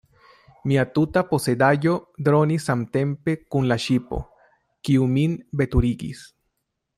Mia tuta posedaĵo dronis samtempe kun la ŝipo, kiu min veturigis.